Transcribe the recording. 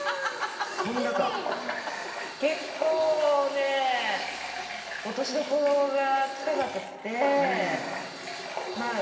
結構ね落としどころがつかなくてまあ